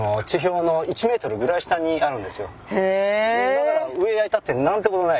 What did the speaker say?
だから上焼いたって何てことない。